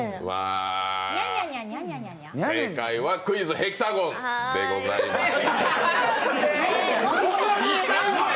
正解は、「クイズヘキサゴン」でございました。